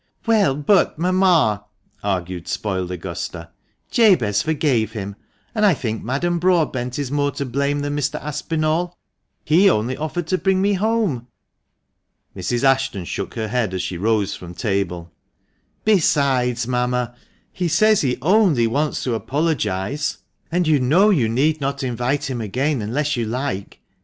" Well, but, mamma," argued spoiled Augusta, " Jabez forgave him ; and I think Madame Broadbent is more to blame than Mr. Aspinall — he only offered to bring me home." Mrs. Ashton shook her head as she rose from table. " Besides, mamma, he says he only wants to apologise, and you know you need not invite him again unless you like.